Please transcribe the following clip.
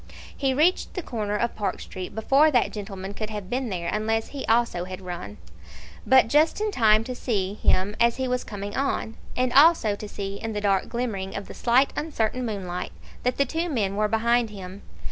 He reached the corner of Park Street before that gentleman could have been there unless he also had run; but just in time to see him as he was coming on, and also to see in the dark glimmering of the slight uncertain moonlight that the two men were behind him.